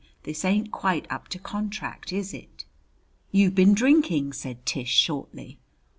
This ain't quite up to contract, is it?" "You've been drinking!" said Tish shortly.